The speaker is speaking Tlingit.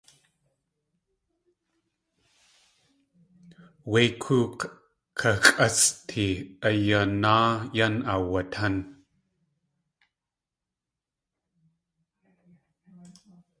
Wé kóok̲ kaxʼásʼti a yanáa yan aawatán.